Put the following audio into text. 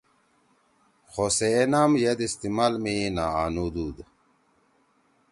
خو سے اے نام ید استعمال می نہ آنُودُود